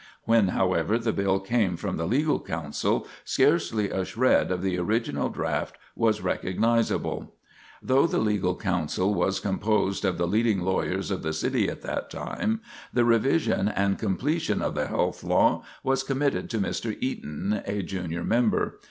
When, however, the bill came from the Legal Council, scarcely a shred of the original draft was recognizable. [Sidenote: The Right Man] Though the Legal Council was composed of the leading lawyers of the city at that time, the revision and completion of the health law was committed to Mr. Eaton, a junior member.